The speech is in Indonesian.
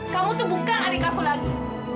kamu tuh bukan adik aku lagi